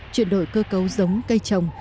chuyển đổi cơ cấu giống cây trồng